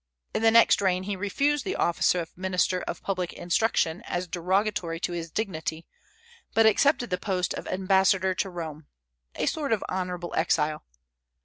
In the next reign he refused the office of Minister of Public Instruction as derogatory to his dignity, but accepted the post of ambassador to Rome, a sort of honorable exile.